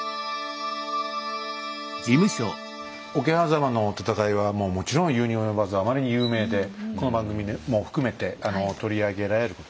桶狭間の戦いはもうもちろん言うに及ばずあまりに有名でこの番組も含めて取り上げられることが多いですけどね